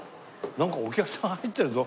なんかお客さん入ってるぞ。